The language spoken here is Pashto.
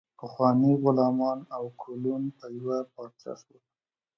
پخواني غلامان او کولون په یوه پارچه شول.